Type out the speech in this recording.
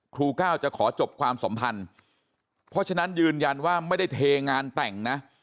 ก้าวจะขอจบความสัมพันธ์เพราะฉะนั้นยืนยันว่าไม่ได้เทงานแต่งนะ